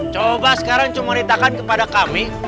coba sekarang cuman ceritakan kepada kami